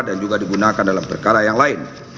dan juga digunakan dalam perkara yang lain